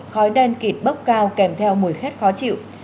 khói đen kịt bốc cao kèm theo mùi khét khó chịu